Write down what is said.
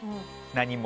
何も。